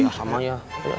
ya sama aja